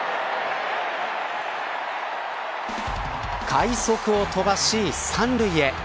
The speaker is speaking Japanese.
快足を飛ばし３塁へ。